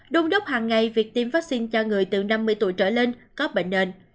đôn đốc hàng ngày việc tiêm vaccine cho người từ năm mươi tuổi trở lên có bệnh nền